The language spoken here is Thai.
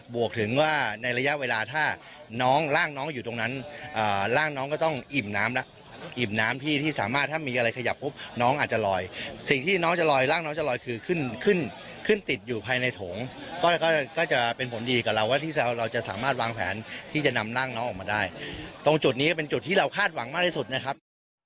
วกถึงว่าในระยะเวลาถ้าน้องร่างน้องอยู่ตรงนั้นร่างน้องก็ต้องอิ่มน้ำแล้วอิ่มน้ำที่ที่สามารถถ้ามีอะไรขยับปุ๊บน้องอาจจะลอยสิ่งที่น้องจะลอยร่างน้องจะลอยคือขึ้นขึ้นขึ้นติดอยู่ภายในถงก็จะเป็นผลดีกับเราว่าที่เราจะสามารถวางแผนที่จะนำร่างน้องออกมาได้ตรงจุดนี้ก็เป็นจุดที่เราคาดหวังมากที่สุดนะครับ